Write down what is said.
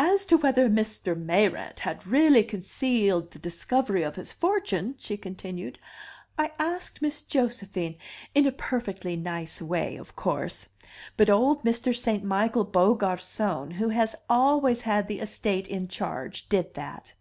"As to whether Mr. Mayrant had really concealed the discovery of his fortune," she continued, "I asked Miss Josephine in a perfectly nice way, of course. But old Mr. St. Michael Beaugarcon, who has always had the estate in charge, did that.